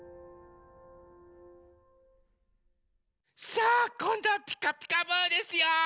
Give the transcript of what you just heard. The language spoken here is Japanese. さあこんどは「ピカピカブ！」ですよ。